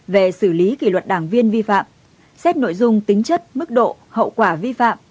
về xử lý kỷ luật đảng viên vi phạm xét nội dung tính chất mức độ hậu quả vi phạm